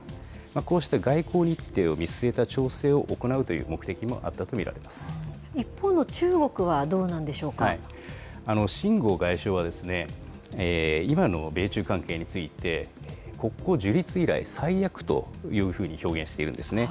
こうした外交日程を見据えた調整を行うという目的もあったと見ら一方の中国はどうなんでしょ秦剛外相は、今の米中関係について、国交樹立以来、最悪というふうに表現しているんですね。